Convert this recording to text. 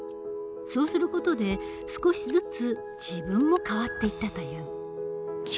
そうする事で少しずつ自分も変わっていったという。